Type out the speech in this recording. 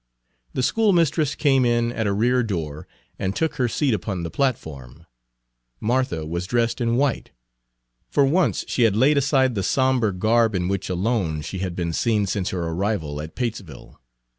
The schoolmistress came in at a rear door and took her seat upon the platform. Martha was dressed in white; for once she had laid aside the sombre garb in which alone she had been seen since her arrival at Patesville.